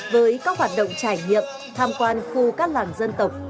với các hoạt động trải nghiệm tham quan khu các làng dân tộc